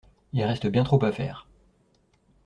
Il reste bien trop à faire.